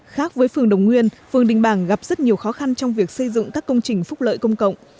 khác với phường đồng nguyên phường đình bảng gặp rất nhiều khó khăn trong việc xây dựng các công trình phúc lợi công cộng